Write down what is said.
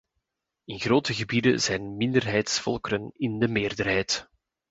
In grote gebieden zijn minderheidsvolkeren in de meerderheid.